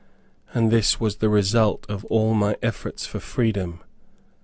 And this was the result of all my efforts for freedom!